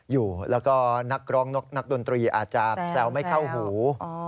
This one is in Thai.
อยู่แล้วก็นักร้องนักดนตรีอาจจะแซวไม่เข้าหู